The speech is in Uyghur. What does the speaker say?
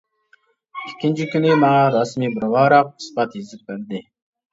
ئىككىنچى كۈنى ماڭا رەسمىي بىر ۋاراق ئىسپات يېزىپ بەردى.